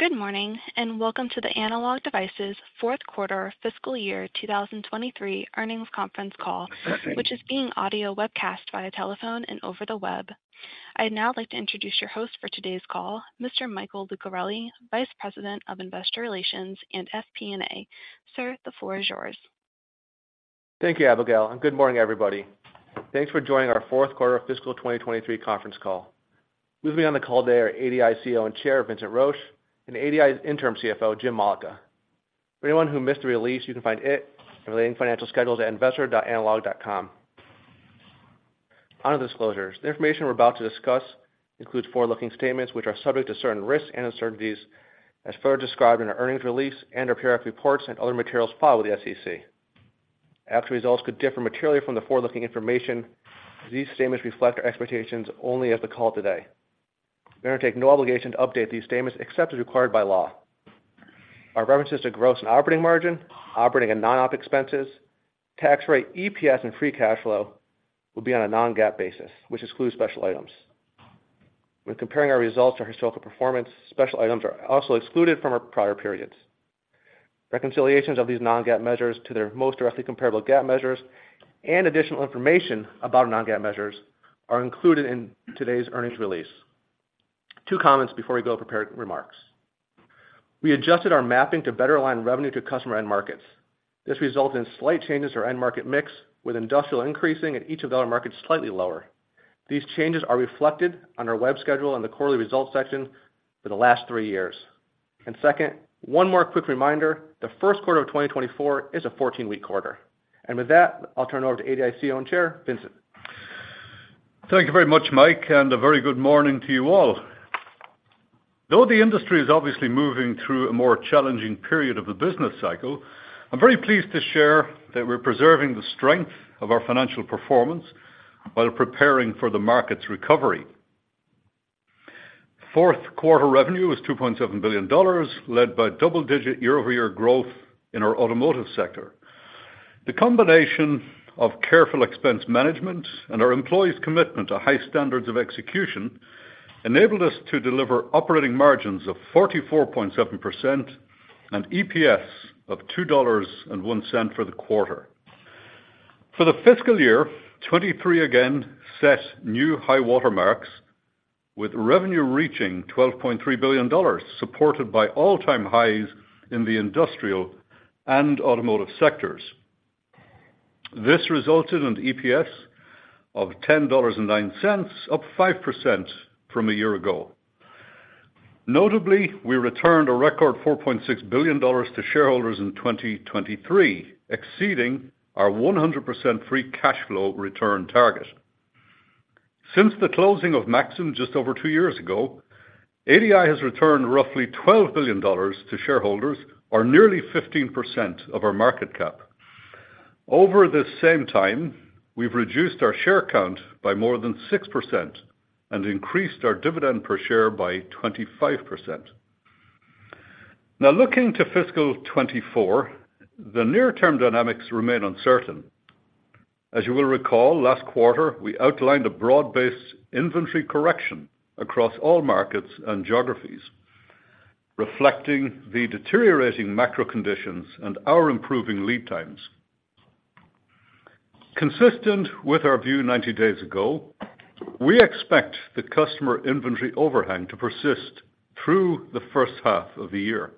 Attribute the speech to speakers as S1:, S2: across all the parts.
S1: Good morning, and welcome to the Analog Devices' fourth quarter fiscal year 2023 earnings conference call, which is being audio webcast via telephone and over the web. I'd now like to introduce your host for today's call, Mr. Michael Lucarelli, Vice President of Investor Relations and FP&A. Sir, the floor is yours.
S2: Thank you, Abigail, and good morning, everybody. Thanks for joining our fourth quarter fiscal 2023 conference call. With me on the call today are ADI CEO and Chair, Vincent Roche, and ADI's Interim CFO, Jim Mollica. For anyone who missed the release, you can find it and related financial schedules at investor.analog.com. On to the disclosures. The information we're about to discuss includes forward-looking statements which are subject to certain risks and uncertainties, as further described in our earnings release and our periodic reports and other materials filed with the SEC. Actual results could differ materially from the forward-looking information. These statements reflect our expectations only as of the call today. We undertake no obligation to update these statements except as required by law. Our references to gross and operating margin, operating and non-op expenses, tax rate, EPS, and free cash flow will be on a non-GAAP basis, which excludes special items. When comparing our results to historical performance, special items are also excluded from our prior periods. Reconciliations of these non-GAAP measures to their most directly comparable GAAP measures and additional information about non-GAAP measures are included in today's earnings release. Two comments before we go to prepared remarks. We adjusted our mapping to better align revenue to customer end markets. This resulted in slight changes to our end market mix, with industrial increasing and each of the other markets slightly lower. These changes are reflected on our web schedule in the quarterly results section for the last three years. Second, one more quick reminder, the first quarter of 2024 is a 14-week quarter. With that, I'll turn it over to ADI CEO and Chair, Vincent.
S3: Thank you very much, Mike, and a very good morning to you all. Though the industry is obviously moving through a more challenging period of the business cycle, I'm very pleased to share that we're preserving the strength of our financial performance while preparing for the market's recovery. Fourth quarter revenue was $2.7 billion, led by double-digit year-over-year growth in our automotive sector. The combination of careful expense management and our employees' commitment to high standards of execution enabled us to deliver operating margins of 44.7% and EPS of $2.01 for the quarter. For the fiscal year 2023 again set new high water marks, with revenue reaching $12.3 billion, supported by all-time highs in the industrial and automotive sectors. This resulted in EPS of $10.09, up 5% from a year ago. Notably, we returned a record $4.6 billion to shareholders in 2023, exceeding our 100% free cash flow return target. Since the closing of Maxim just over two years ago, ADI has returned roughly $12 billion to shareholders, or nearly 15% of our market cap. Over this same time, we've reduced our share count by more than 6% and increased our dividend per share by 25%. Now, looking to fiscal 2024, the near-term dynamics remain uncertain. As you will recall, last quarter, we outlined a broad-based inventory correction across all markets and geographies, reflecting the deteriorating macro conditions and our improving lead times. Consistent with our view 90 days ago, we expect the customer inventory overhang to persist through the first half of the year.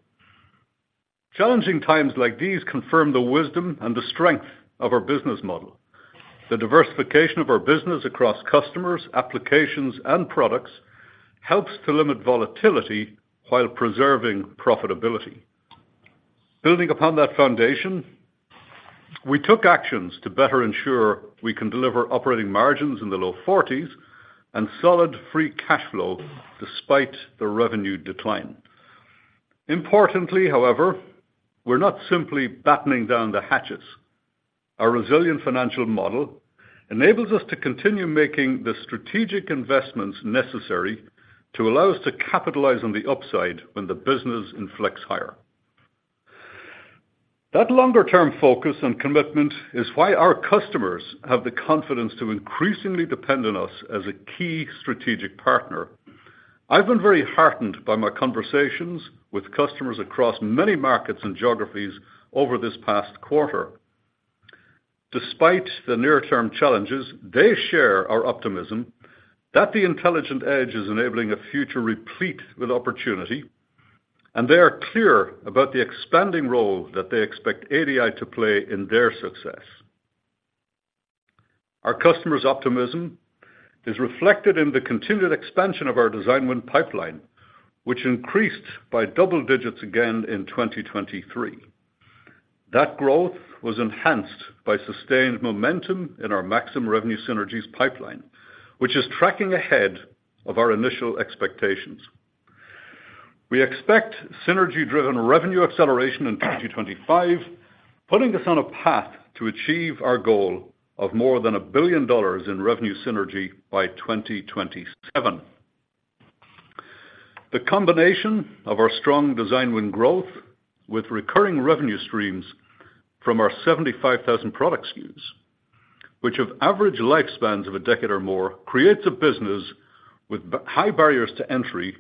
S3: Challenging times like these confirm the wisdom and the strength of our business model. The diversification of our business across customers, applications, and products helps to limit volatility while preserving profitability. Building upon that foundation, we took actions to better ensure we can deliver operating margins in the low forties and solid free cash flow despite the revenue decline. Importantly, however, we're not simply battening down the hatches. Our resilient financial model enables us to continue making the strategic investments necessary to allow us to capitalize on the upside when the business inflects higher. That longer-term focus and commitment is why our customers have the confidence to increasingly depend on us as a key strategic partner. I've been very heartened by my conversations with customers across many markets and geographies over this past quarter. Despite the near-term challenges, they share our optimism that the Intelligent Edge is enabling a future replete with opportunity, and they are clear about the expanding role that they expect ADI to play in their success. Our customers' optimism is reflected in the continued expansion of our design win pipeline, which increased by double digits again in 2023. That growth was enhanced by sustained momentum in our Maxim revenue synergies pipeline, which is tracking ahead of our initial expectations. We expect synergy-driven revenue acceleration in 2025, putting us on a path to achieve our goal of more than $1 billion in revenue synergy by 2027. The combination of our strong design win growth with recurring revenue streams from our 75,000 product SKUs-... which have average lifespans of a decade or more, creates a business with high barriers to entry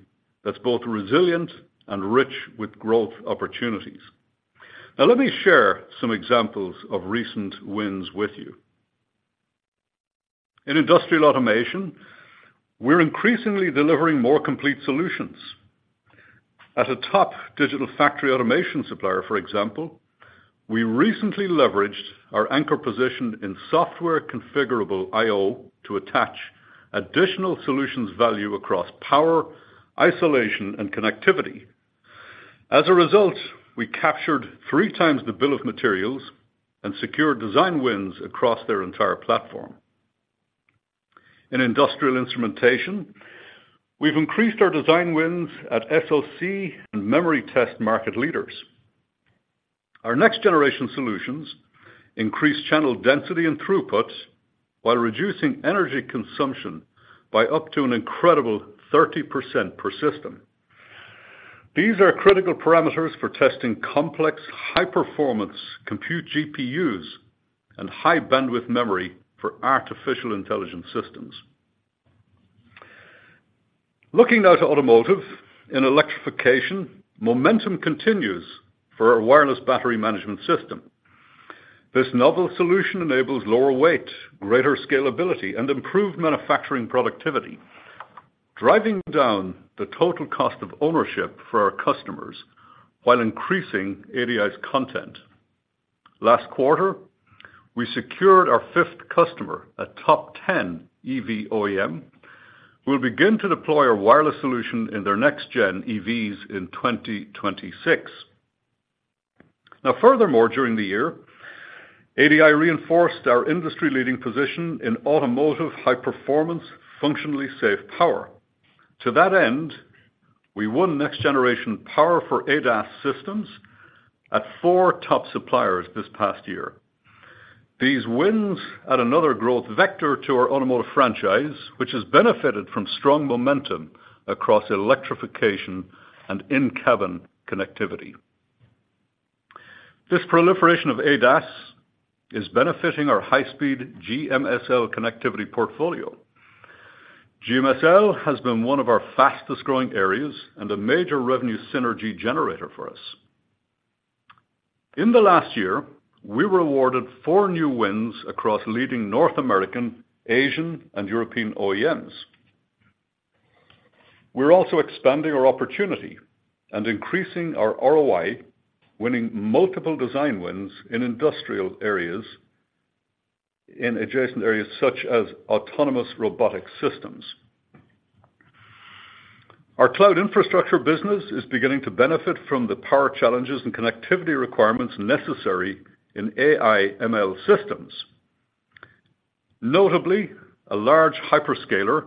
S3: that's both resilient and rich with growth opportunities. Now, let me share some examples of recent wins with you. In industrial automation, we're increasingly delivering more complete solutions. As a top digital factory automation supplier, for example, we recently leveraged our anchor position in software-configurable I/O to attach additional solutions value across power, isolation, and connectivity. As a result, we captured 3x the bill of materials and secured design wins across their entire platform. In industrial instrumentation, we've increased our design wins at SoC and memory test market leaders. Our next-generation solutions increase channel density and throughput, while reducing energy consumption by up to an incredible 30% per system. These are critical parameters for testing complex, high-performance compute GPUs, and high-bandwidth memory for artificial intelligence systems. Looking now to automotive. In electrification, momentum continues for our wireless battery management system. This novel solution enables lower weight, greater scalability, and improved manufacturing productivity, driving down the total cost of ownership for our customers while increasing ADI's content. Last quarter, we secured our fifth customer, a top 10 EV OEM, who will begin to deploy our wireless solution in their next-gen EVs in 2026. Now, furthermore, during the year, ADI reinforced our industry-leading position in automotive high performance, functionally safe power. To that end, we won next generation power for ADAS systems at 4 top suppliers this past year. These wins add another growth vector to our automotive franchise, which has benefited from strong momentum across electrification and in-cabin connectivity. This proliferation of ADAS is benefiting our high-speed GMSL connectivity portfolio. GMSL has been one of our fastest-growing areas and a major revenue synergy generator for us. In the last year, we were awarded 4 new wins across leading North American, Asian, and European OEMs. We're also expanding our opportunity and increasing our ROI, winning multiple design wins in industrial areas, in adjacent areas such as autonomous robotic systems. Our cloud infrastructure business is beginning to benefit from the power challenges and connectivity requirements necessary in AI ML systems. Notably, a large hyperscaler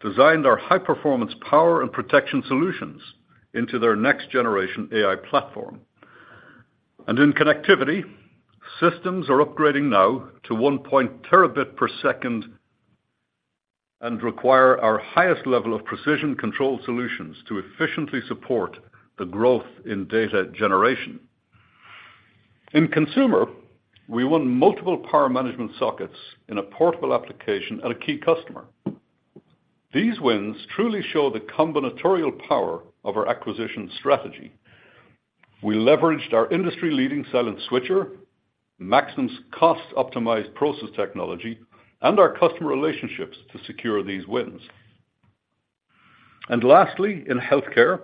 S3: designed our high-performance power and protection solutions into their next generation AI platform. In connectivity, systems are upgrading now to 1 terabit per second, and require our highest level of precision control solutions to efficiently support the growth in data generation. In consumer, we won multiple power management sockets in a portable application at a key customer. These wins truly show the combinatorial power of our acquisition strategy. We leveraged our industry-leading Silent Switcher, Maxim's cost-optimized process technology, and our customer relationships to secure these wins. Lastly, in healthcare,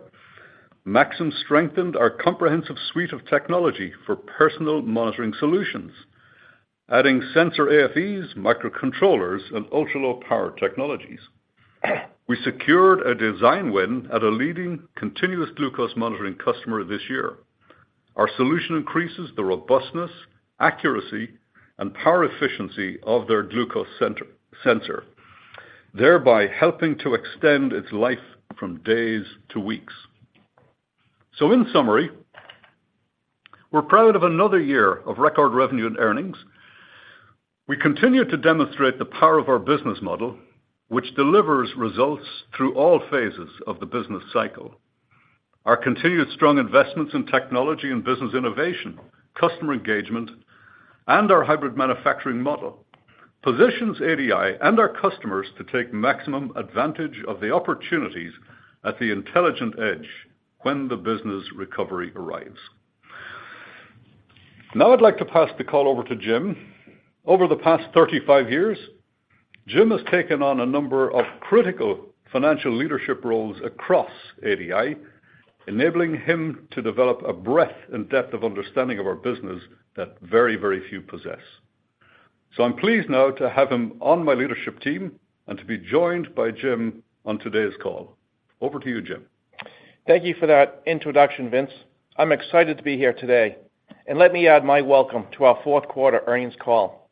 S3: Maxim strengthened our comprehensive suite of technology for personal monitoring solutions, adding sensor AFEs, microcontrollers, and ultra-low power technologies. We secured a design win at a leading continuous glucose monitoring customer this year. Our solution increases the robustness, accuracy, and power efficiency of their glucose sensor, thereby helping to extend its life from days to weeks. In summary, we're proud of another year of record revenue and earnings. We continue to demonstrate the power of our business model, which delivers results through all phases of the business cycle. Our continued strong investments in technology and business innovation, customer engagement, and our Hybrid Manufacturing Model, positions ADI and our customers to take maximum advantage of the opportunities at the intelligent edge when the business recovery arrives. Now, I'd like to pass the call over to Jim. Over the past 35 years, Jim has taken on a number of critical financial leadership roles across ADI, enabling him to develop a breadth and depth of understanding of our business that very, very few possess. I'm pleased now to have him on my leadership team and to be joined by Jim on today's call. Over to you, Jim.
S4: Thank you for that introduction, Vince. I'm excited to be here today, and let me add my welcome to our fourth quarter earnings call.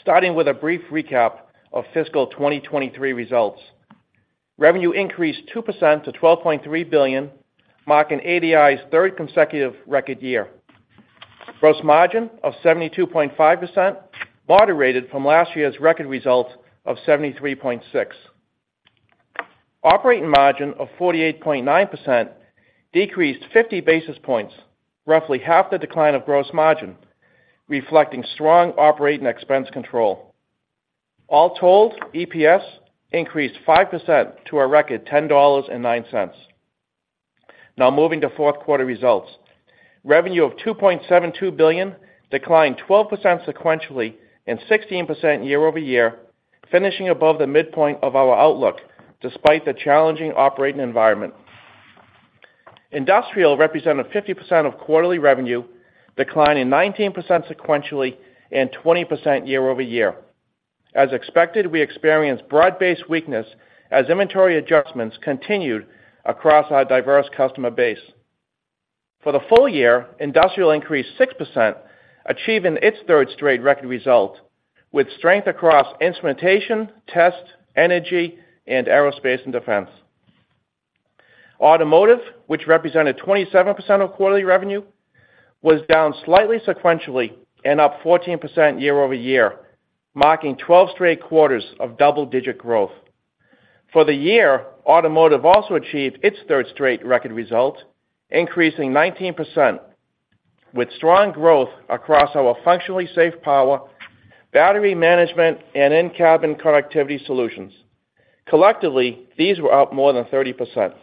S4: Starting with a brief recap of fiscal 2023 results. Revenue increased 2% to $12.3 billion, marking ADI's third consecutive record year. Gross margin of 72.5%, moderated from last year's record result of 73.6%. Operating margin of 48.9% decreased 50 basis points, roughly half the decline of gross margin, reflecting strong operating expense control. All told, EPS increased 5% to a record $10.09. Now moving to fourth quarter results. Revenue of $2.72 billion declined 12% sequentially and 16% year over year, finishing above the midpoint of our outlook despite the challenging operating environment. Industrial represented 50% of quarterly revenue, declining 19% sequentially and 20% year-over-year. As expected, we experienced broad-based weakness as inventory adjustments continued across our diverse customer base. For the full year, industrial increased 6%, achieving its third straight record result, with strength across instrumentation, test, energy, and aerospace and defense. Automotive, which represented 27% of quarterly revenue, was down slightly sequentially and up 14% year-over-year, marking 12 straight quarters of double-digit growth. For the year, automotive also achieved its third straight record result, increasing 19%, with strong growth across our functionally safe power, battery management, and in-cabin connectivity solutions. Collectively, these were up more than 30%.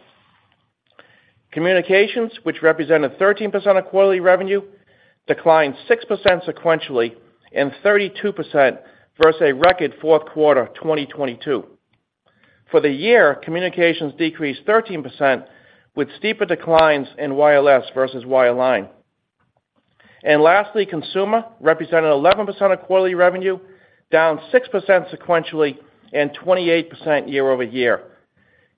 S4: Communications, which represented 13% of quarterly revenue, declined 6% sequentially and 32% versus a record fourth quarter 2022. For the year, communications decreased 13%, with steeper declines in wireless versus wireline. Lastly, consumer represented 11% of quarterly revenue, down 6% sequentially and 28% year-over-year.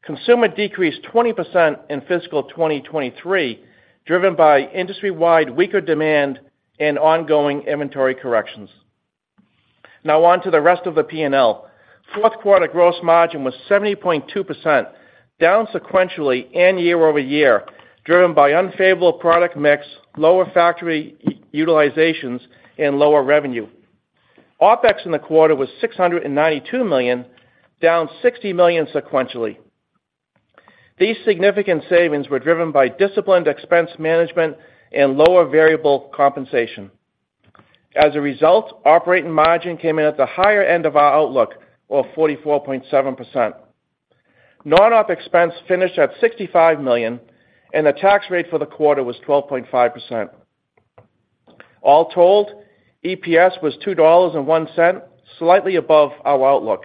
S4: Consumer decreased 20% in fiscal 2023, driven by industry-wide weaker demand and ongoing inventory corrections. Now on to the rest of the P&L. Fourth quarter gross margin was 70.2%, down sequentially and year-over-year, driven by unfavorable product mix, lower factory utilizations, and lower revenue. OpEx in the quarter was $692 million, down $60 million sequentially. These significant savings were driven by disciplined expense management and lower variable compensation. As a result, operating margin came in at the higher end of our outlook of 44.7%. Non-op expense finished at $65 million, and the tax rate for the quarter was 12.5%. All told, EPS was $2.01, slightly above our outlook.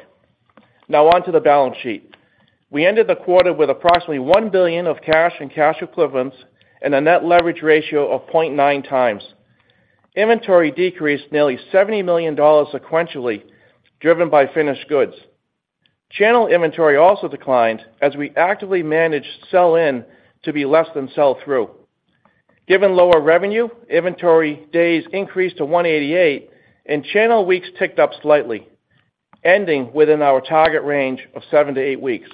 S4: Now on to the balance sheet. We ended the quarter with approximately $1 billion of cash and cash equivalents, and a net leverage ratio of 0.9x. Inventory decreased nearly $70 million sequentially, driven by finished goods. Channel inventory also declined as we actively managed sell-in to be less than sell-through. Given lower revenue, inventory days increased to 188, and channel weeks ticked up slightly, ending within our target range of 7-8 weeks.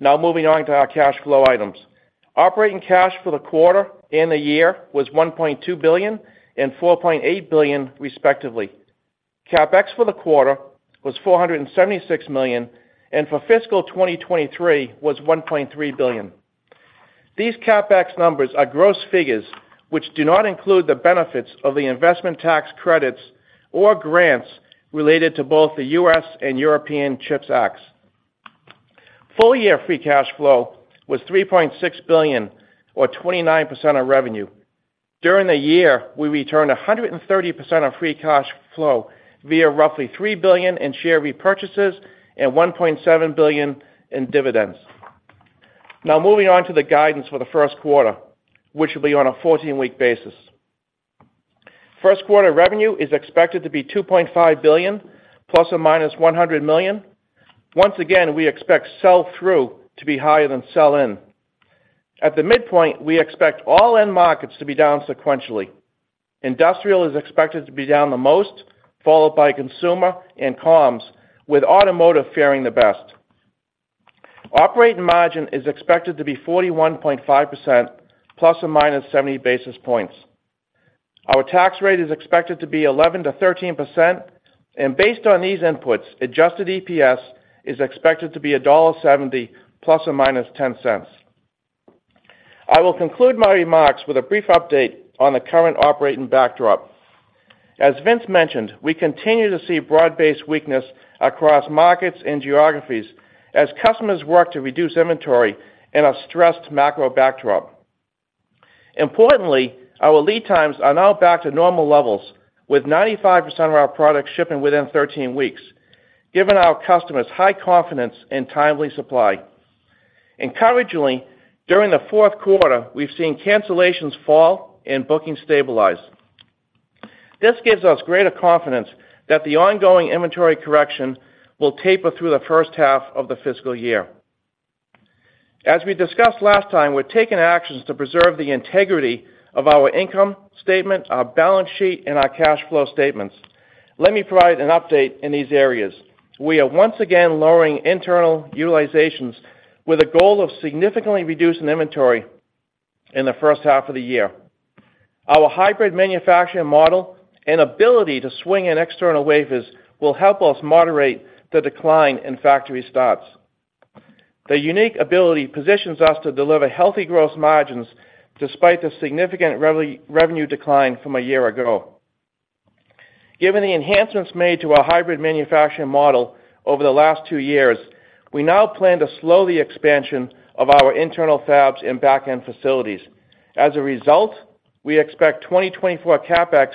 S4: Now moving on to our cash flow items. Operating cash for the quarter and the year was $1.2 billion and $4.8 billion, respectively. CapEx for the quarter was $476 million, and for fiscal 2023 was $1.3 billion. These CapEx numbers are gross figures, which do not include the benefits of the investment tax credits or grants related to both the U.S. and European CHIPS Acts. Full-year free cash flow was $3.6 billion, or 29% of revenue. During the year, we returned 130% of free cash flow via roughly $3 billion in share repurchases and $1.7 billion in dividends. Now moving on to the guidance for the first quarter, which will be on a 14-week basis. First-quarter revenue is expected to be $2.5 billion ±$100 million. Once again, we expect sell-through to be higher than sell-in. At the midpoint, we expect all end markets to be down sequentially. Industrial is expected to be down the most, followed by consumer and comms, with automotive faring the best. Operating margin is expected to be 41.5% ±70 basis points. Our tax rate is expected to be 11%-13%, and based on these inputs, adjusted EPS is expected to be $1.70 ±10 cents. I will conclude my remarks with a brief update on the current operating backdrop. As Vince mentioned, we continue to see broad-based weakness across markets and geographies as customers work to reduce inventory in a stressed macro backdrop. Importantly, our lead times are now back to normal levels, with 95% of our products shipping within 13 weeks, giving our customers high confidence in timely supply. Encouragingly, during the fourth quarter, we've seen cancellations fall and bookings stabilize. This gives us greater confidence that the ongoing inventory correction will taper through the first half of the fiscal year. As we discussed last time, we're taking actions to preserve the integrity of our income statement, our balance sheet, and our cash flow statements. Let me provide an update in these areas. We are once again lowering internal utilizations with a goal of significantly reducing inventory in the first half of the year....
S3: Our hybrid manufacturing model and ability to swing in external wafers will help us moderate the decline in factory starts. The unique ability positions us to deliver healthy gross margins despite the significant revenue decline from a year ago. Given the enhancements made to our hybrid manufacturing model over the last two years, we now plan to slow the expansion of our internal fabs and back-end facilities. As a result, we expect 2024 CapEx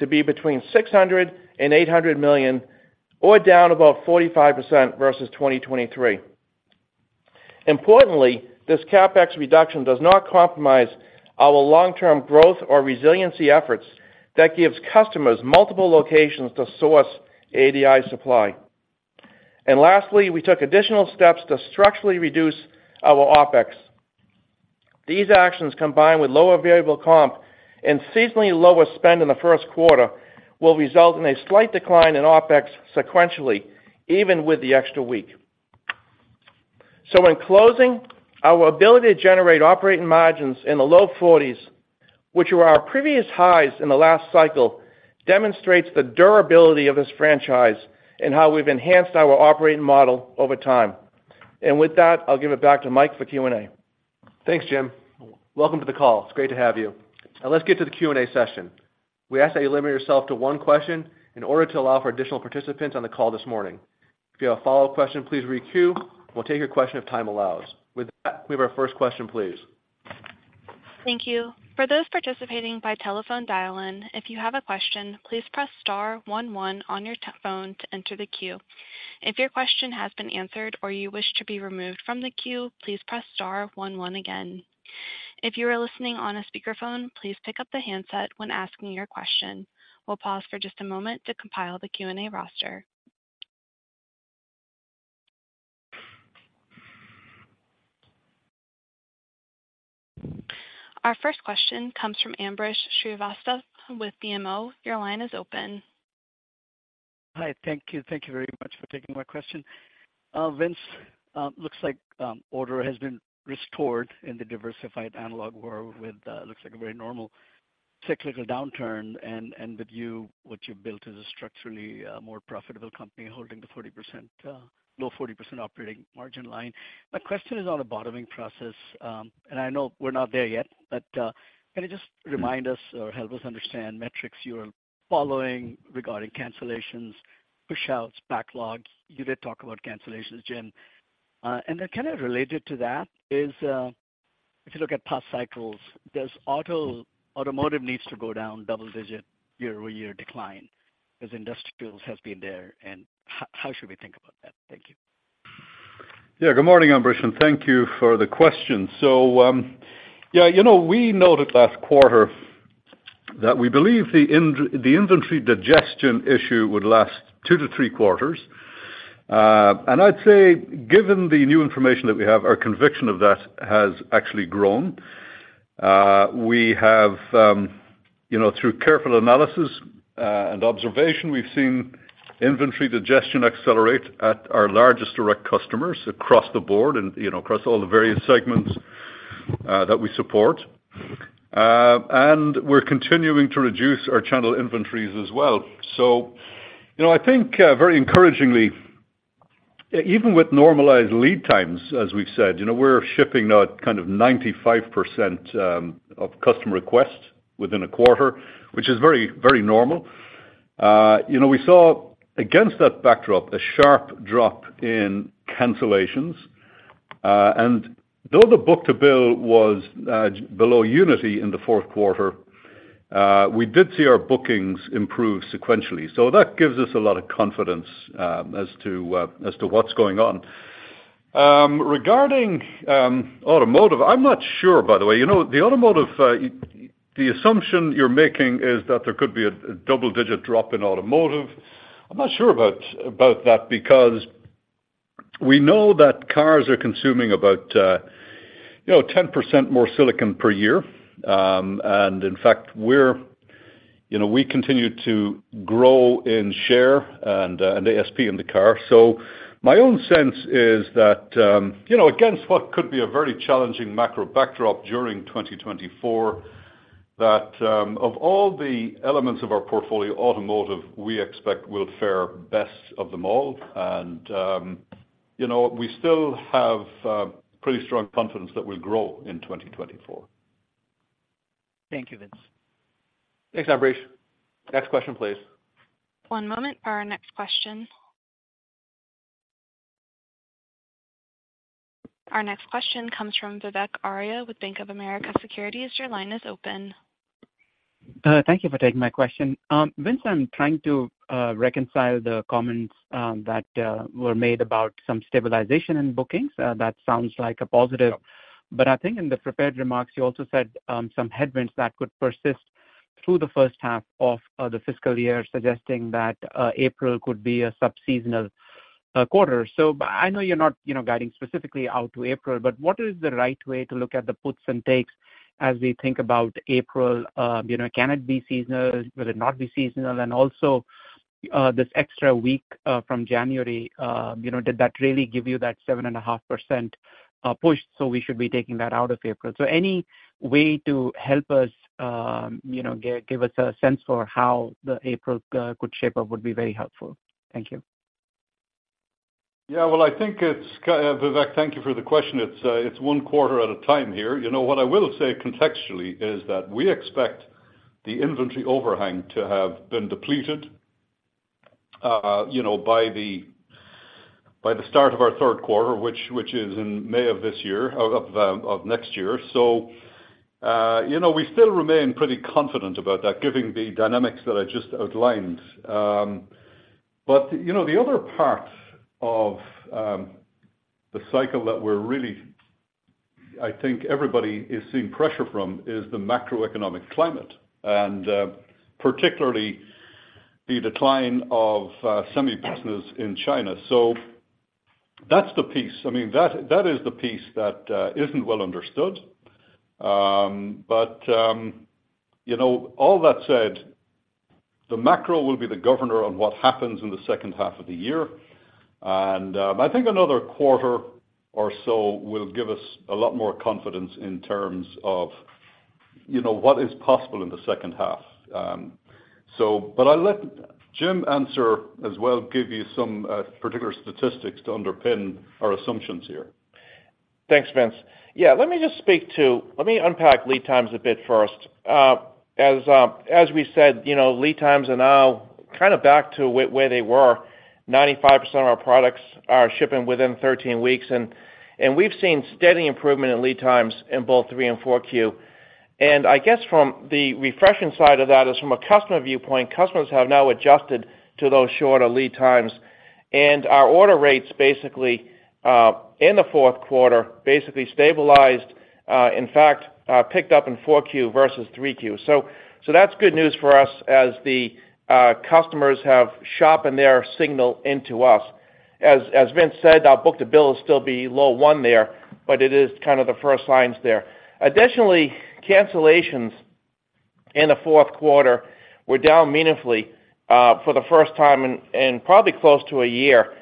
S3: to be between $600 million and $800 million, or down about 45% versus 2023. Importantly, this CapEx reduction does not compromise our long-term growth or resiliency efforts. That gives customers multiple locations to source ADI supply. And lastly, we took additional steps to structurally reduce our OpEx. These actions, combined with lower variable comp and seasonally lower spend in the first quarter, will result in a slight decline in OpEx sequentially, even with the extra week. So in closing, our ability to generate operating margins in the low forties, which were our previous highs in the last cycle, demonstrates the durability of this franchise and how we've enhanced our operating model over time. And with that, I'll give it back to Mike for Q&A.
S2: Thanks, Jim. Welcome to the call. It's great to have you. Now let's get to the Q&A session. We ask that you limit yourself to one question in order to allow for additional participants on the call this morning. If you have a follow-up question, please re-queue, we'll take your question if time allows. With that, we have our first question, please.
S1: Thank you. For those participating by telephone dial-in, if you have a question, please press star one one on your touch-tone phone to enter the queue. If your question has been answered or you wish to be removed from the queue, please press star one one again. If you are listening on a speakerphone, please pick up the handset when asking your question. We'll pause for just a moment to compile the Q&A roster. Our first question comes from Ambrish Srivastava with BMO. Your line is open.
S5: Hi, thank you. Thank you very much for taking my question. Vince, looks like order has been restored in the diversified analog world with looks like a very normal cyclical downturn, and with you, what you've built is a structurally more profitable company holding the 40% low 40% operating margin line. My question is on a bottoming process, and I know we're not there yet, but can you just remind us or help us understand metrics you are following regarding cancellations, pushouts, backlogs? You did talk about cancellations, Jim. And then kind of related to that is, if you look at past cycles, does automotive need to go down double-digit year-over-year decline, as industrials has been there, and how should we think about that? Thank you.
S3: Yeah, good morning, Ambrish, and thank you for the question. So, yeah, you know, we noted last quarter that we believe the inventory digestion issue would last 2-3 quarters. And I'd say, given the new information that we have, our conviction of that has actually grown. We have, you know, through careful analysis and observation, we've seen inventory digestion accelerate at our largest direct customers across the board and, you know, across all the various segments that we support. And we're continuing to reduce our channel inventories as well. So, you know, I think, very encouragingly, even with normalized lead times, as we've said, you know, we're shipping now kind of 95% of customer requests within a quarter, which is very, very normal. You know, we saw against that backdrop, a sharp drop in cancellations. Though the book-to-bill was below unity in the fourth quarter, we did see our bookings improve sequentially. So that gives us a lot of confidence as to what's going on. Regarding automotive, I'm not sure, by the way. You know, the automotive, the assumption you're making is that there could be a double-digit drop in automotive. I'm not sure about that, because we know that cars are consuming about, you know, 10% more silicon per year. And in fact, we're, you know, we continue to grow in share and ASP in the car. So my own sense is that, you know, against what could be a very challenging macro backdrop during 2024, that, of all the elements of our portfolio, automotive, we expect, will fare best of them all. And, you know, we still have, pretty strong confidence that we'll grow in 2024.
S5: Thank you, Vince.
S2: Thanks, Ambrish. Next question, please.
S1: One moment for our next question. Our next question comes from Vivek Arya with Bank of America Securities. Your line is open.
S6: Thank you for taking my question. Vince, I'm trying to reconcile the comments that were made about some stabilization in bookings. That sounds like a positive. But I think in the prepared remarks, you also said some headwinds that could persist through the first half of the fiscal year, suggesting that April could be a sub-seasonal quarter. I know you're not, you know, guiding specifically out to April, but what is the right way to look at the puts and takes as we think about April? You know, can it be seasonal? Will it not be seasonal? And also, this extra week from January, you know, did that really give you that 7.5% push, so we should be taking that out of April? So any way to help us, you know, give us a sense for how the April could shape up would be very helpful. Thank you.
S3: Yeah, well, I think it's Vivek, thank you for the question. It's one quarter at a time here. You know, what I will say contextually is that we expect the inventory overhang to have been depleted, you know, by the start of our third quarter, which is in May of this year, of next year. So, you know, we still remain pretty confident about that, given the dynamics that I just outlined. But, you know, the other part of the cycle that we're really, I think everybody is seeing pressure from, is the macroeconomic climate, and particularly the decline of semi business in China. So that's the piece—I mean, that is the piece that isn't well understood. But, you know, all that said, the macro will be the governor on what happens in the second half of the year. And, I think another quarter or so will give us a lot more confidence in terms of, you know, what is possible in the second half. So, but I'll let Jim answer as well, give you some particular statistics to underpin our assumptions here.
S4: Thanks, Vince. Yeah, let me unpack lead times a bit first. As we said, you know, lead times are now kind of back to where they were. 95% of our products are shipping within 13 weeks, and we've seen steady improvement in lead times in both Q3 and Q4. And I guess from the refreshing side of that is, from a customer viewpoint, customers have now adjusted to those shorter lead times. And our order rates basically in the fourth quarter basically stabilized, in fact, picked up in Q4 versus Q3. So that's good news for us as the customers have sharpened their signal into us. As Vince said, our book-to-bill will still be low one there, but it is kind of the first signs there. Additionally, cancellations in the fourth quarter were down meaningfully for the first time in probably close to a year.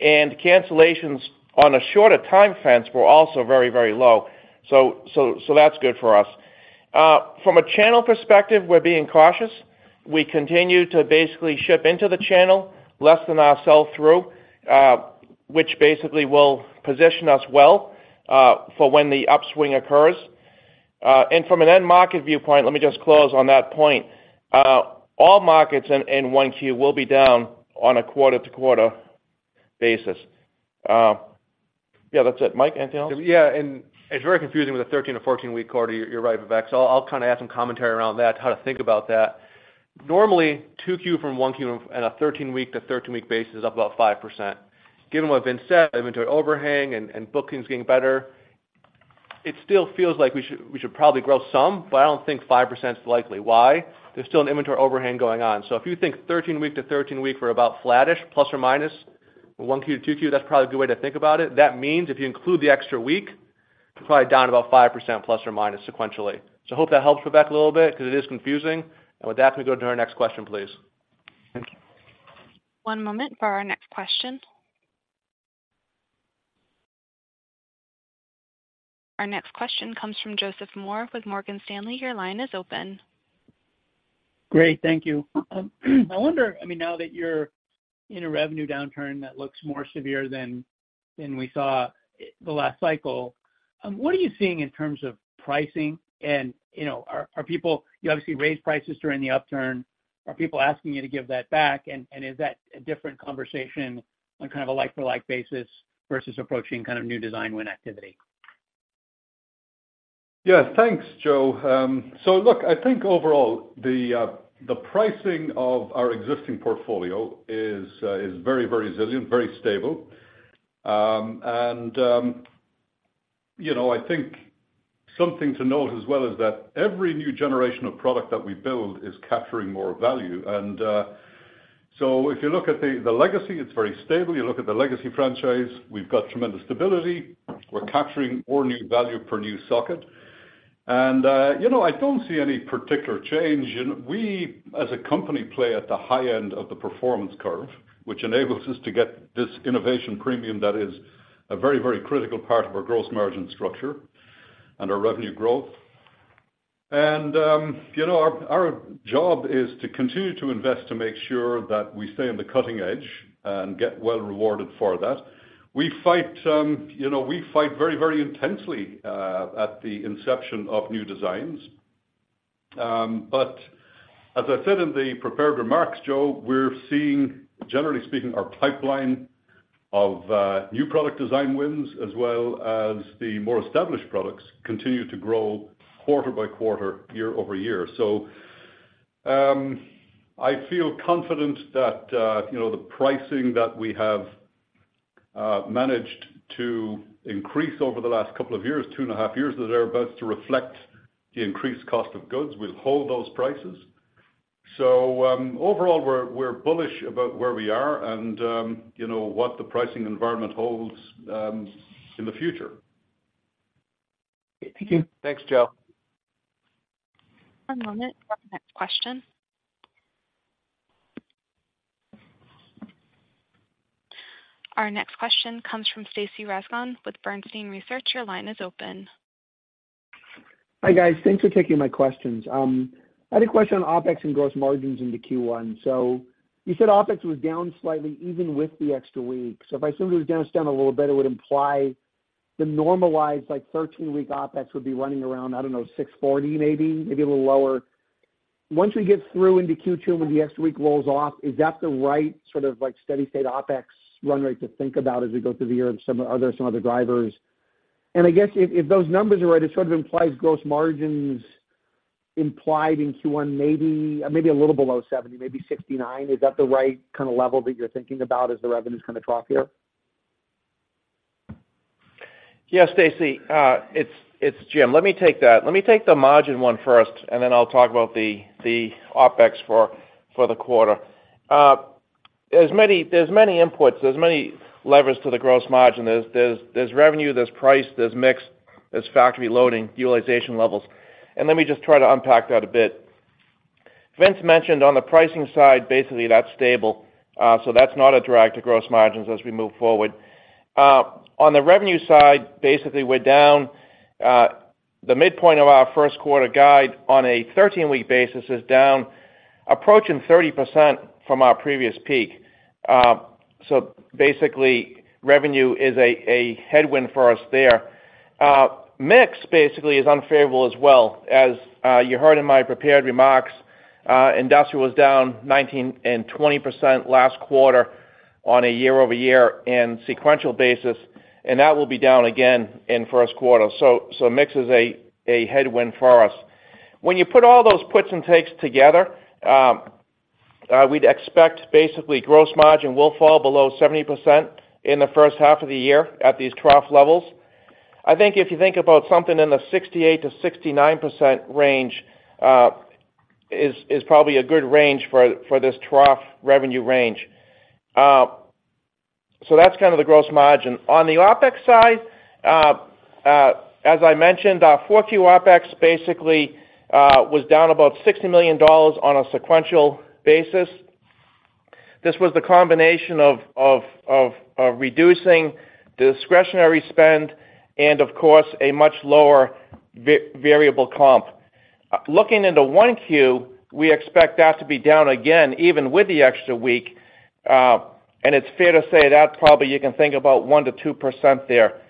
S4: Cancellations on a shorter time fence were also very, very low, so that's good for us. From a channel perspective, we're being cautious. We continue to basically ship into the channel less than our sell-through, which basically will position us well for when the upswing occurs. From an end market viewpoint, let me just close on that point. All markets in one Q will be down on a quarter-to-quarter basis. Yeah, that's it. Mike, anything else?
S2: Yeah, and it's very confusing with a 13- or 14-week quarter, you're, you're right, Vivek. So I'll, I'll kind of add some commentary around that, how to think about that. Normally, 2Q from 1Q on a 13-week to 13-week basis is up about 5%. Given what Vince said, inventory overhang and, and bookings getting better, it still feels like we should, we should probably grow some, but I don't think 5% is likely. Why? There's still an inventory overhang going on. So if you think 13-week to 13-week, we're about flattish ± from 1Q to 2Q, that's probably a good way to think about it. That means if you include the extra week, it's probably down about 5% ± sequentially. So I hope that helps, Vivek, a little bit, because it is confusing. With that, can we go to our next question, please?
S6: Thank you.
S1: One moment for our next question. Our next question comes from Joseph Moore with Morgan Stanley. Your line is open.
S7: Great, thank you. I wonder, I mean, now that you're in a revenue downturn that looks more severe than we saw the last cycle, what are you seeing in terms of pricing? And, you know, people-- You obviously raised prices during the upturn. Are people asking you to give that back? And is that a different conversation on kind of a like-for-like basis versus approaching kind of new design win activity?
S3: Yeah. Thanks, Joe. So look, I think overall, the pricing of our existing portfolio is very resilient, very stable. And you know, I think something to note as well is that every new generation of product that we build is capturing more value. And so if you look at the legacy, it's very stable. You look at the legacy franchise, we've got tremendous stability. We're capturing more new value per new socket. And you know, I don't see any particular change. And we, as a company, play at the high end of the performance curve, which enables us to get this innovation premium that is a very, very critical part of our gross margin structure and our revenue growth. You know, our job is to continue to invest to make sure that we stay on the cutting edge and get well rewarded for that. We fight, you know, we fight very, very intensely at the inception of new designs. But as I said in the prepared remarks, Joe, we're seeing, generally speaking, our pipeline of new product design wins, as well as the more established products, continue to grow quarter by quarter, year-over-year. I feel confident that, you know, the pricing that we have managed to increase over the last couple of years, 2.5 years, that they're about to reflect the increased cost of goods. We'll hold those prices. Overall, we're bullish about where we are and, you know, what the pricing environment holds in the future....
S4: Thank you.
S2: Thanks, Joe.
S1: One moment for the next question. Our next question comes from Stacy Rasgon with Bernstein Research. Your line is open.
S8: Hi, guys. Thanks for taking my questions. I had a question on OpEx and gross margins into Q1. So you said OpEx was down slightly even with the extra week. So if I assume it was down, down a little bit, it would imply the normalized, like 13-week OpEx would be running around, I don't know, $640 million maybe, maybe a little lower. Once we get through into Q2, when the extra week rolls off, is that the right sort of like steady state OpEx run rate to think about as we go through the year and some other, some other drivers? And I guess if, if those numbers are right, it sort of implies gross margins implied in Q1, maybe, maybe a little below 70%, maybe 69%. Is that the right kind of level that you're thinking about as the revenues kind of trough here?
S4: Yeah, Stacy, it's Jim. Let me take that. Let me take the margin one first, and then I'll talk about the OpEx for the quarter. There's many inputs, there's many levers to the gross margin. There's revenue, there's price, there's mix, there's factory loading, utilization levels. And let me just try to unpack that a bit. Vince mentioned on the pricing side, basically, that's stable, so that's not a drag to gross margins as we move forward. On the revenue side, basically, we're down, the midpoint of our first quarter guide on a 13-week basis is down, approaching 30% from our previous peak. So basically, revenue is a headwind for us there. Mix basically is unfavorable as well. As you heard in my prepared remarks, industrial was down 19% and 20% last quarter on a year-over-year and sequential basis, and that will be down again in first quarter. So mix is a headwind for us. When you put all those puts and takes together, we'd expect basically gross margin will fall below 70% in the first half of the year at these trough levels. I think if you think about something in the 68%-69% range, is probably a good range for this trough revenue range. So that's kind of the gross margin. On the OpEx side, as I mentioned, our Q4 OpEx basically was down about $60 million on a sequential basis. This was the combination of reducing discretionary spend and of course, a much lower variable comp. Looking into 1Q, we expect that to be down again, even with the extra week, and it's fair to say that probably you can think about 1%-2% there.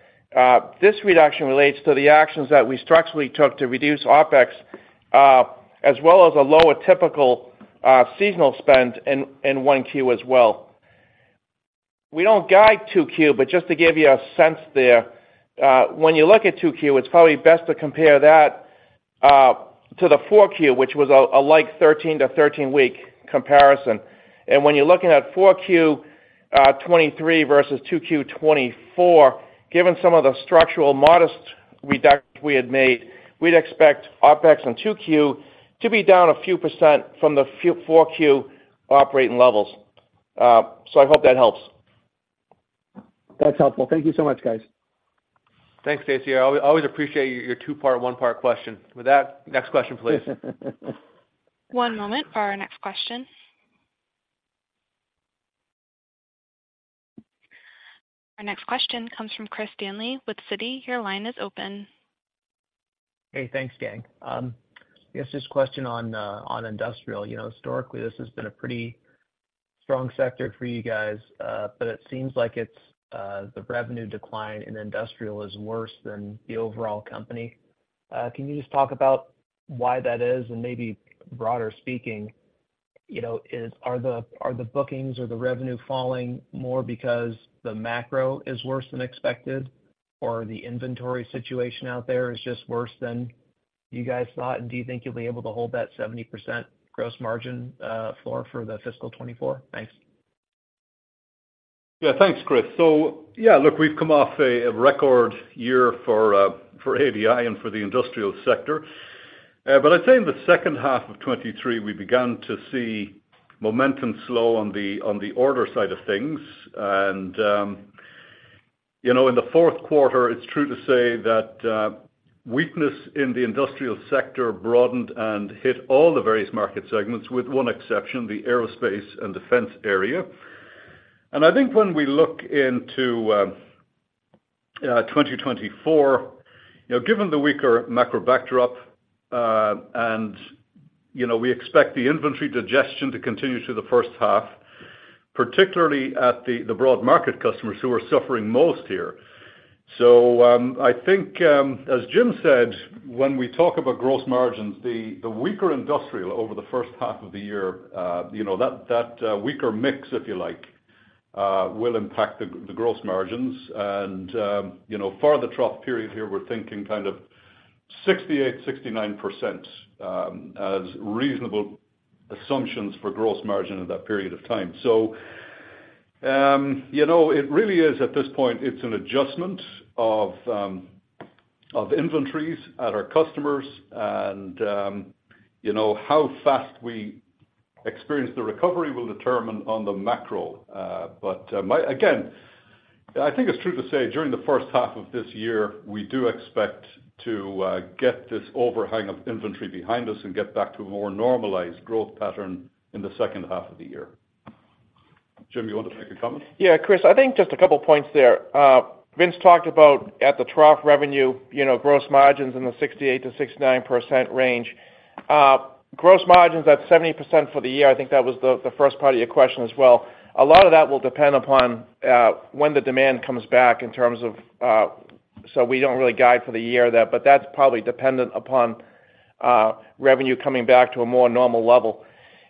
S4: This reduction relates to the actions that we structurally took to reduce OpEx, as well as a lower typical seasonal spend in 1Q as well. We don't guide 2Q, but just to give you a sense there, when you look at 2Q, it's probably best to compare that to the 4Q, which was a like 13- to 13-week comparison. When you're looking at Q4 2023 versus Q2 2024, given some of the structural modest reductions we had made, we'd expect OpEx on Q2 to be down a few% from the Q4 operating levels. So I hope that helps.
S8: That's helpful. Thank you so much, guys.
S2: Thanks, Stacy. I always appreciate your two-part, one-part question. With that, next question, please.
S1: One moment for our next question. Our next question comes from Chris Danely with Citi. Your line is open.
S9: Hey, thanks, gang. I guess just a question on industrial. You know, historically, this has been a pretty strong sector for you guys, but it seems like it's the revenue decline in industrial is worse than the overall company. Can you just talk about why that is? And maybe broader speaking, you know, is -- are the, are the bookings or the revenue falling more because the macro is worse than expected, or the inventory situation out there is just worse than you guys thought? And do you think you'll be able to hold that 70% gross margin for the fiscal 2024? Thanks.
S3: Yeah. Thanks, Chris. So yeah, look, we've come off a record year for ADI and for the industrial sector. But I'd say in the second half of 2023, we began to see momentum slow on the order side of things. And you know, in the fourth quarter, it's true to say that weakness in the industrial sector broadened and hit all the various market segments, with one exception, the aerospace and defense area. And I think when we look into 2024, you know, given the weaker macro backdrop, and you know, we expect the inventory digestion to continue through the first half, particularly at the broad market customers who are suffering most here. So, I think, as Jim said, when we talk about gross margins, the weaker industrial over the first half of the year, you know, that weaker mix, if you like, will impact the gross margins. And, you know, for the trough period here, we're thinking kind of 68%-69% as reasonable assumptions for gross margin in that period of time. So, you know, it really is at this point, it's an adjustment of inventories at our customers and, you know, how fast we experience the recovery will determine on the macro. But, again, I think it's true to say, during the first half of this year, we do expect to get this overhang of inventory behind us and get back to a more normalized growth pattern in the second half of the year. Jim, you want to take a comment?
S4: Yeah, Chris, I think just a couple points there. Vince talked about at the trough revenue, you know, gross margins in the 68%-69% range. Gross margins at 70% for the year, I think that was the first part of your question as well. A lot of that will depend upon when the demand comes back in terms of, so we don't really guide for the year there, but that's probably dependent upon revenue coming back to a more normal level.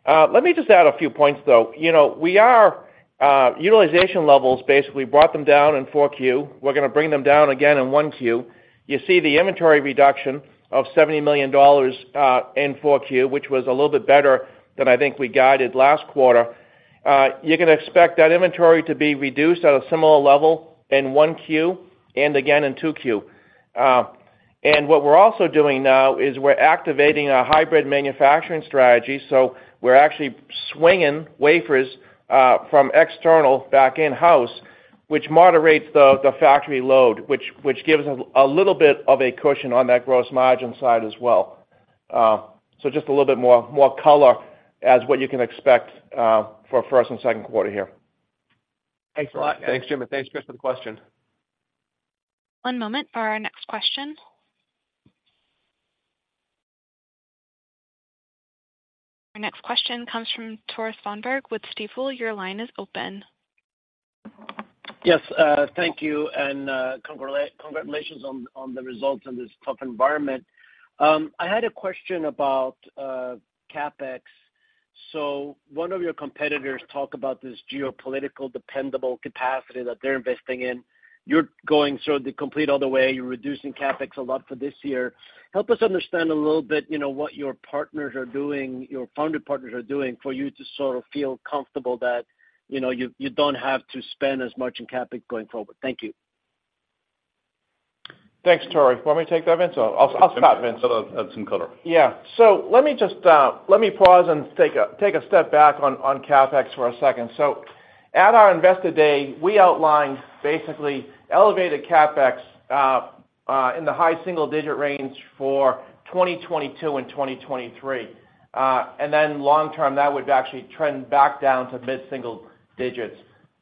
S4: Let me just add a few points, though. You know, we are, utilization levels basically brought them down in Q4. We're gonna bring them down again in Q1. You see the inventory reduction of $70 million in Q4, which was a little bit better than I think we guided last quarter. You can expect that inventory to be reduced at a similar level in 1Q and again in 2Q. And what we're also doing now is we're activating a hybrid manufacturing strategy, so we're actually swinging wafers from external back in-house, which moderates the factory load, which gives us a little bit of a cushion on that gross margin side as well. So just a little bit more color as what you can expect for first and second quarter here.
S9: Thanks a lot, guys.
S2: Thanks, Jim, and thanks, Chris, for the question.
S1: One moment for our next question. Our next question comes from Tore Svanberg with Stifel. Your line is open.
S10: Yes, thank you, and congratulations on the results in this tough environment. I had a question about CapEx. So one of your competitors talk about this geopolitical dependable capacity that they're investing in. You're going sort of the complete other way, you're reducing CapEx a lot for this year. Help us understand a little bit, you know, what your partners are doing, your foundry partners are doing, for you to sort of feel comfortable that, you know, you don't have to spend as much in CapEx going forward. Thank you.
S4: Thanks, Tore. You want me to take that, Vince? I'll, I'll start, Vince.
S3: Add some color.
S4: Yeah. So let me just, let me pause and take a, take a step back on, on CapEx for a second. So at our Investor Day, we outlined basically elevated CapEx in the high single-digit range for 2022 and 2023. And then long term, that would actually trend back down to mid-single digits.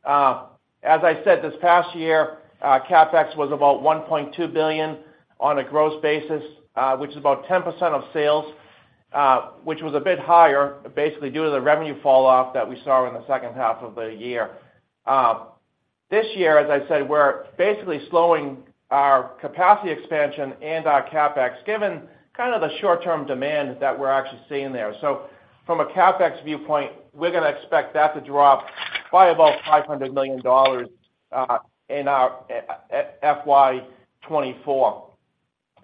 S4: As I said, this past year, CapEx was about $1.2 billion on a gross basis, which is about 10% of sales, which was a bit higher, basically due to the revenue falloff that we saw in the second half of the year. This year, as I said, we're basically slowing our capacity expansion and our CapEx, given kind of the short-term demand that we're actually seeing there. So from a CapEx viewpoint, we're gonna expect that to drop by about $500 million in our FY 2024.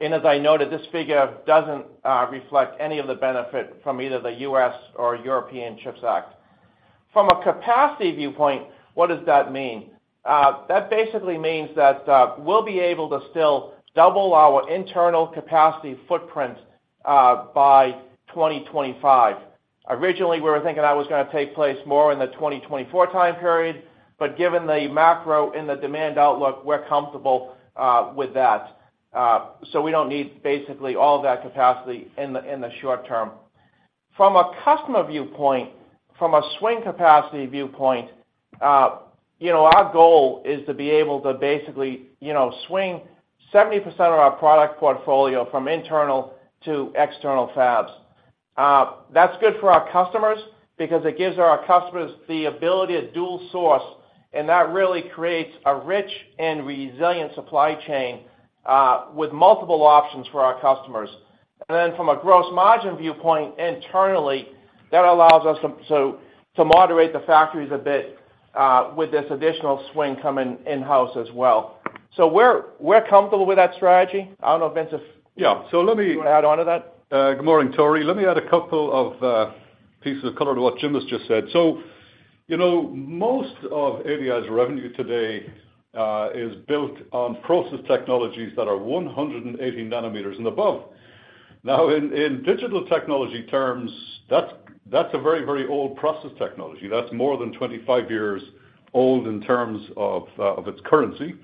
S4: And as I noted, this figure doesn't reflect any of the benefit from either the U.S. or European CHIPS Act. From a capacity viewpoint, what does that mean? That basically means that we'll be able to still double our internal capacity footprint by 2025. Originally, we were thinking that was gonna take place more in the 2024 time period, but given the macro and the demand outlook, we're comfortable with that. So we don't need basically all of that capacity in the short term. From a customer viewpoint, from a swing capacity viewpoint, you know, our goal is to be able to basically, you know, swing 70% of our product portfolio from internal to external fabs. That's good for our customers because it gives our customers the ability to dual source, and that really creates a rich and resilient supply chain with multiple options for our customers. And then from a gross margin viewpoint, internally, that allows us to moderate the factories a bit with this additional swing coming in-house as well. So we're comfortable with that strategy. I don't know, Vince, if-
S3: Yeah. So let me-
S4: You want to add on to that?
S3: Good morning, Tore. Let me add a couple of pieces of color to what Jim has just said. So, you know, most of ADI's revenue today is built on process technologies that are 180 nanometers and above. Now, in digital technology terms, that's a very, very old process technology. That's more than 25 years old in terms of its currency.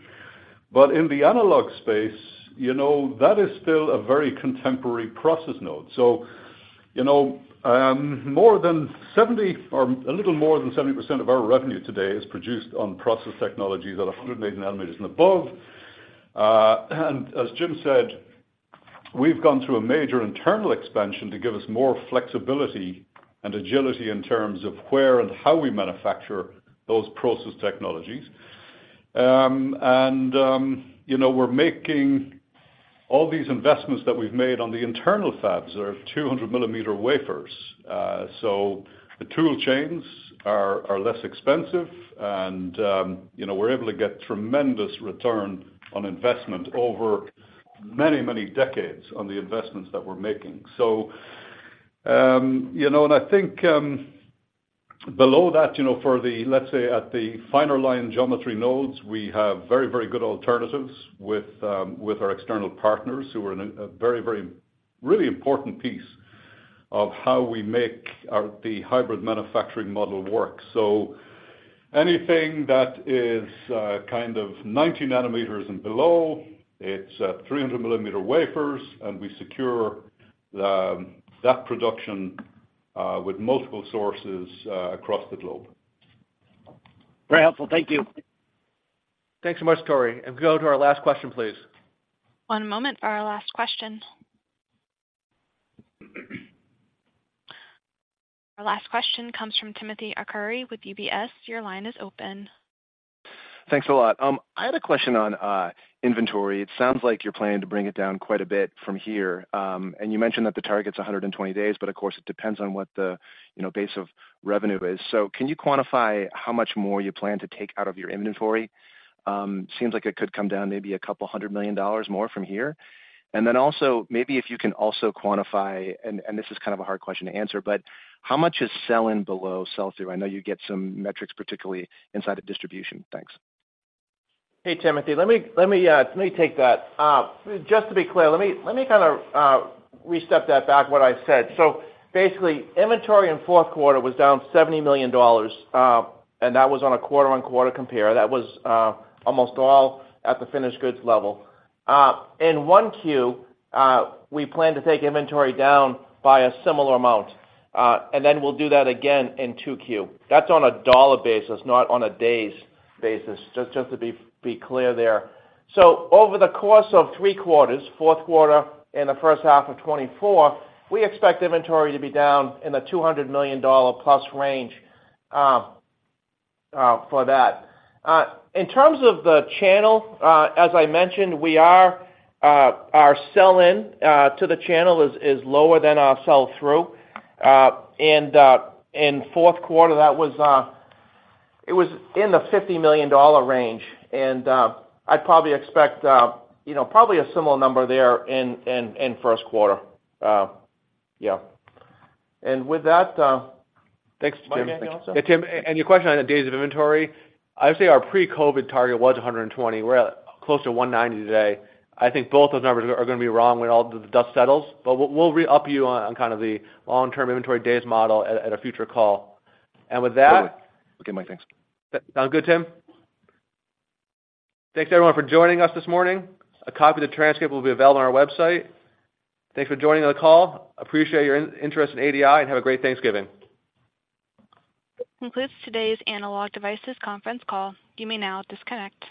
S3: But in the analog space, you know, that is still a very contemporary process node. So, you know, more than 70, or a little more than 70% of our revenue today is produced on process technologies at 180 nanometers and above. And as Jim said, we've gone through a major internal expansion to give us more flexibility and agility in terms of where and how we manufacture those process technologies. you know, we're making all these investments that we've made on the internal fabs are 200-millimeter wafers. So the tool chains are less expensive and, you know, we're able to get tremendous return on investment over many, many decades on the investments that we're making. So, you know, and I think below that, you know, for the, let's say, at the finer line geometry nodes, we have very, very good alternatives with our external partners, who are in a very, very, really important piece of how we make the Hybrid Manufacturing Model work. So anything that is kind of 90 nanometers and below, it's 300-millimeter wafers, and we secure that production with multiple sources across the globe.
S10: Very helpful. Thank you.
S2: Thanks so much, Tore. Go to our last question, please.
S1: One moment for our last question. Our last question comes from Timothy Arcuri with UBS. Your line is open.
S11: Thanks a lot. I had a question on inventory. It sounds like you're planning to bring it down quite a bit from here. And you mentioned that the target's 120 days, but of course, it depends on what the, you know, base of revenue is. So can you quantify how much more you plan to take out of your inventory? Seems like it could come down maybe $200 million more from here. And then also, maybe if you can also quantify, and, and this is kind of a hard question to answer, but how much is sell-in below sell-through? I know you get some metrics, particularly inside of distribution. Thanks.
S4: Hey, Timothy. Let me take that. Just to be clear, let me kind of step that back, what I said. So basically, inventory in fourth quarter was down $70 million, and that was on a quarter-on-quarter compare. That was almost all at the finished goods level. In 1Q, we plan to take inventory down by a similar amount, and then we'll do that again in 2Q. That's on a dollar basis, not on a days basis, just to be clear there. So over the course of three quarters, fourth quarter and the first half of 2024, we expect inventory to be down in the $200 million plus range, for that. In terms of the channel, as I mentioned, our sell-in to the channel is lower than our sell-through. And in fourth quarter, that was in the $50 million range, and I'd probably expect, you know, probably a similar number there in first quarter. Yeah. And with that, thanks, Tim.
S3: Hey, Tim, and your question on the days of inventory, I'd say our pre-COVID target was 120. We're at close to 190 today. I think both those numbers are gonna be wrong when all the dust settles, but we'll re-up you on kind of the long-term inventory days model at a future call. And with that-
S11: Okay, Mike, thanks.
S2: Sound good, Tim? Thanks, everyone, for joining us this morning. A copy of the transcript will be available on our website. Thanks for joining the call. Appreciate your interest in ADI, and have a great Thanksgiving.
S1: This concludes today's Analog Devices conference call. You may now disconnect.